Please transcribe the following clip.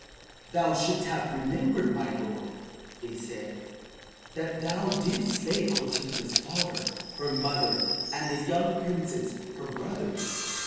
"Thou shouldst have remembered, my lord," they said, "that thou didst slay Clotilda's father, her mother, and the young princes, her brothers.